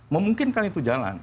memungkinkan itu jalan